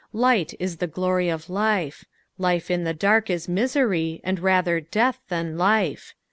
Lightia the glory of life. Life in the durk is miserv, and rsther death than life.